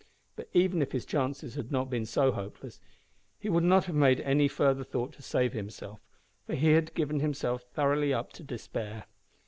But even if his chances had not been so hopeless, he would not have made any further effort to save himself, for he had given himself thoroughly up to despair.